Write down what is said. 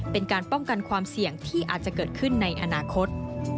เป็นการป้องกันความเสี่ยงที่อาจจะเกิดขึ้นในอนาคต